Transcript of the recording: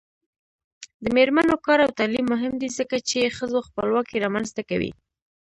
د میرمنو کار او تعلیم مهم دی ځکه چې ښځو خپلواکي رامنځته کوي.